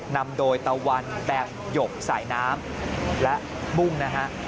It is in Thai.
นำโดยตะวันแบบหยกสายน้ำและบุ้งนะฮะ